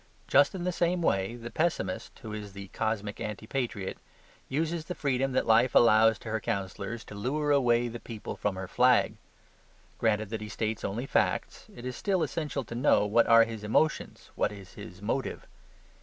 Just in the same way the pessimist (who is the cosmic anti patriot) uses the freedom that life allows to her counsellors to lure away the people from her flag. Granted that he states only facts, it is still essential to know what are his emotions, what is his motive.